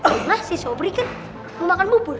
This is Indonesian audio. rumah si sobri kan mau makan bubur